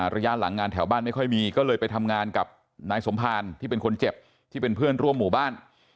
ระยะหลังงานแถวบ้านไม่ค่อยมีก็เลยไปทำงานกับนายสมภารที่เป็นคนเจ็บที่เป็นเพื่อนร่วมหมู่บ้าน